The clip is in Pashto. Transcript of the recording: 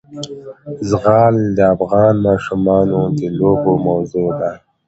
زغال د افغان ماشومانو د لوبو موضوع ده.